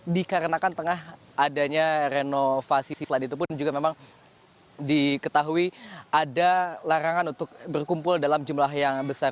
dikarenakan tengah adanya renovasi siswa itu pun juga memang diketahui ada larangan untuk berkumpul dalam jumlah yang besar